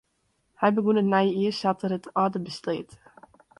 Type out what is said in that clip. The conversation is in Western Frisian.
Hy begûn it nije jier sa't er it âlde besleat.